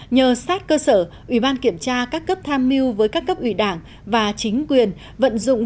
nhờ sát cơ sở ủy ban kiểm tra các cấp tham mưu với các cấp ủy đảng và chính quyền vận dụng